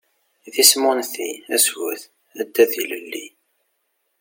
D isem unti, asget, addad ilelli.